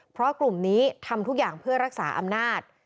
เพราะกลุ่มนี้ทำทุกอย่างเพื่อรักษาอำนาจ